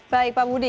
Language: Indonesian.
baik pak budi